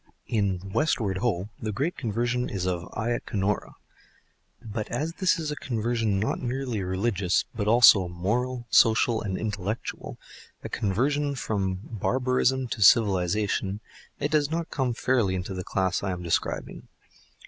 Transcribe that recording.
In "Westward, Ho!" the great conversion is of Ayacanorah. But as this is a conversion not merely religious but also moral, social and intellectual, a conversion from barbarism to civilisation, it does not come fairly into the class I am describing.